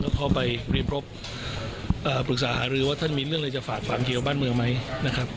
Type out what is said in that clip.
แล้วเข้าไปเรียนรบปรึกษาหารือว่าท่านมีเรื่องอะไรจะฝากฝังเกี่ยวบ้านเมืองไหมนะครับ